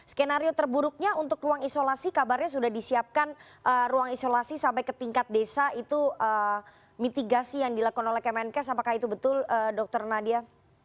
skenario terburuknya untuk ruang isolasi kabarnya sudah disiapkan ruang isolasi sampai ke tingkat desa itu mitigasi yang dilakukan oleh kemenkes apakah itu betul dokter nadia